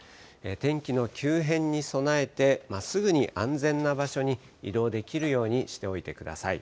天気の急変に備えて、すぐに安全な場所に移動できるようにしておいてください。